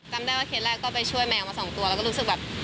จำได้ว่าเคสแรกก็ไปช่วยแมวมาสองตัวแล้วก็รู้สึกแบบ